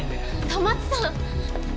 戸松さん